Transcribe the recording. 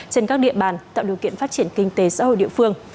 trên các địa bàn tạo điều kiện phát triển kinh tế xã hội địa phương